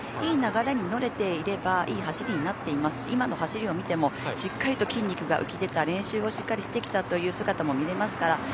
いい流れに乗れていればいい走りになっていますし今の走りを見てもしっかりと筋肉が浮き出た練習をしっかりしてきたという姿も見えますから